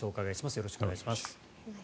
よろしくお願いします。